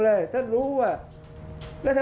ภาคอีสานแห้งแรง